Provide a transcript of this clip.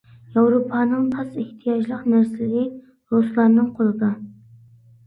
ياۋروپانىڭ تازا ئېھتىياجلىق نەرسىلىرى رۇسلارنىڭ قولىدا.